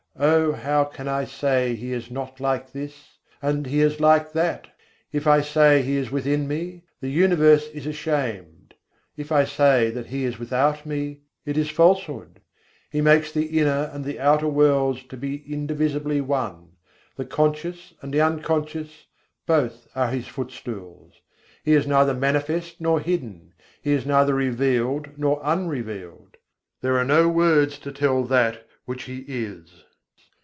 O how can I say He is not like this, and He is like that? If I say that He is within me, the universe is ashamed: If I say that He is without me, it is falsehood. He makes the inner and the outer worlds to be indivisibly one; The conscious and the unconscious, both are His footstools. He is neither manifest nor hidden, He is neither revealed nor unrevealed: There are no words to tell that which He is.